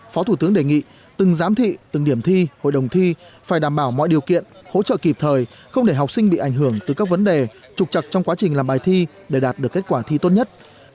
phó thủ tướng đề nghị từng giám thị từng điểm thi hội đồng thi phải đảm bảo mọi điều kiện hỗ trợ kịp thời không để học sinh bị ảnh hưởng từ các vấn đề trục trặc trong quá trình làm bài thi để đạt được kết quả thi tốt nhất